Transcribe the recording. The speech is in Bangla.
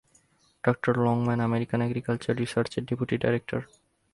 ডঃ লংম্যান আমেরিকান এগ্রিকালচারাল রিসার্চের ডেপুটি ডাইরেক্টর।